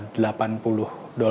delapan puluh dolar per jam